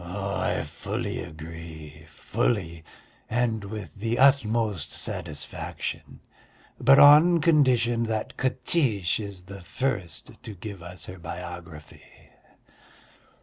"I fully agree, fully, and with the utmost satisfaction, but on condition that Katiche is the first to give us her biography."